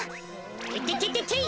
てててててい！